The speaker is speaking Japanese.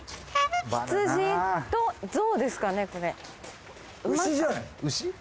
羊と象ですかねこれ？